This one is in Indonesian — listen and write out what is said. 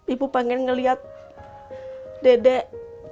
ibu pengen ngeliat dedek